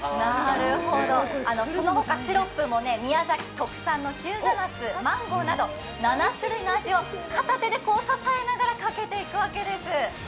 そのほかシロップも宮崎特産の日向夏、マンゴーなど、７種類の味を片手で支えながらかけていくわけです。